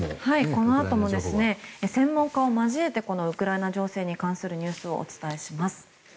このあとも専門家を交えてウクライナ情勢に関するニュースをお伝えします。